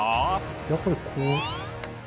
やっぱりこう。